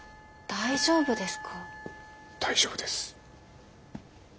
大丈夫です。